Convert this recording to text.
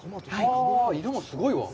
色もすごいわ！